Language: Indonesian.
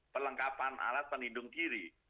perlengkapan alat penindung diri